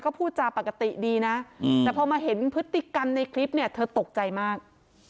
ก็พูดจาปกติดีนะแต่พอมาเห็นพฤติกรรมในคลิปเนี่ยเธอตกใจมาก